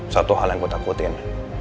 satu hal yang gue takutin